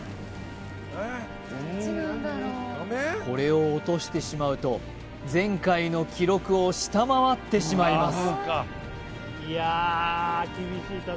これを落としてしまうと前回の記録を下回ってしまいます